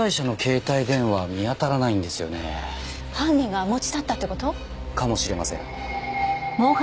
犯人が持ち去ったって事？かもしれません。